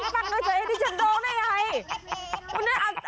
หนูจะมานั่งปักให้ชั้นดูได้ไง